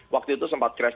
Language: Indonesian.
waktu itu sempat crash